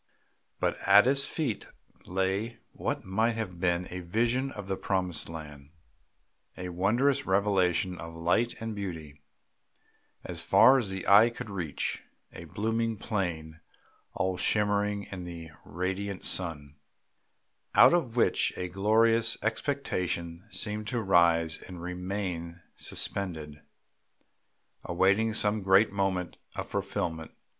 But at his feet lay what might have been a vision of the promised land, a wondrous revelation of light and beauty as far as the eye could reach, a blooming plain all shimmering in the radiant sun, out of which a glorious expectation seemed to rise and remain suspended, awaiting some great moment of fulfilment.